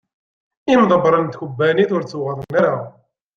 Imḍebren n tkebbanit ur ttuɣaḍen ara.